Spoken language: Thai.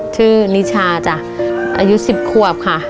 ชื่อนิชาจ้ะอายุ๑๐ควบค่ะ